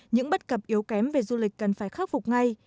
những bất cập yếu kém về du lịch cần phải khắc phục ngay